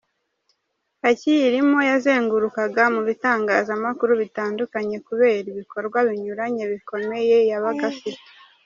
Akiyirimo yazengurukaga mu bitangazamakuru bitandukanye kubera ibikorwa binyuranye bikomeye yabaga afite.